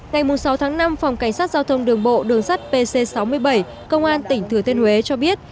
ngày sáu tháng năm phòng cảnh sát giao thông đường bộ đường sắt pc sáu mươi bảy công an tỉnh thừa thiên huế cho biết